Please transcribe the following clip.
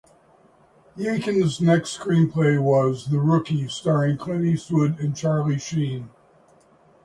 Yakin's next screenplay was "The Rookie", starring Clint Eastwood and Charlie Sheen.